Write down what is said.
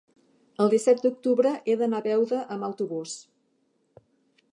el disset d'octubre he d'anar a Beuda amb autobús.